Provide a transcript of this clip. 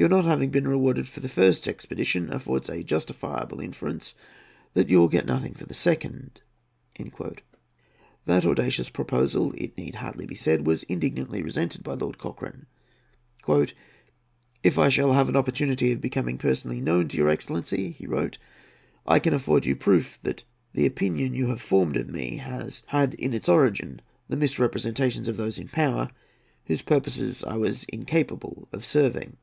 Your not having been rewarded for the first expedition affords a justifiable inference that you will get nothing for the second." That audacious proposal, it need hardly be said, was indignantly resented by Lord Cochrane. "If I shall have an opportunity of becoming personally known to your excellency," he wrote, "I can afford you proof that the opinion you have formed of me has had its origin in the misrepresentations of those in power, whose purposes I was incapable of serving."